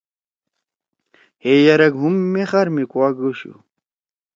ہے یَرک ہُم مے خار می کُوا گوشُو